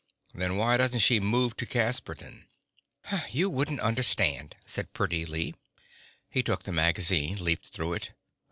Then why doesn't she move to Casperton?" "You wouldn't understand," said Pretty Lee. He took the magazine, leafed through it.